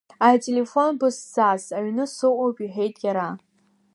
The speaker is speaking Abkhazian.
Ателефон бысзас, аҩны сыҟоуп, — иҳәеит иара.